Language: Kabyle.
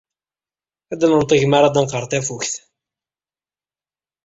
Ad nenṭeg mi ara d-tenqer tafukt.